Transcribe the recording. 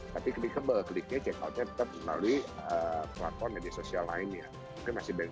tapi klik kliknya check out nya tetap melalui platform media sosial lainnya mungkin masih bank